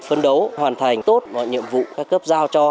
phấn đấu hoàn thành tốt mọi nhiệm vụ các cấp giao cho